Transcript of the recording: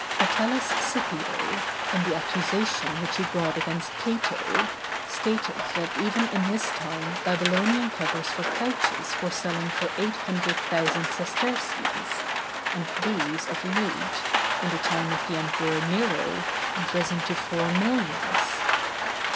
Metellus Scipio, in the accusation which he brought against Cato, stated that even in his time Babylonian covers for couches were selling for eight hundred thousand sesterces, and these of late, in the time of the Emperor Nero, had risen to four millions.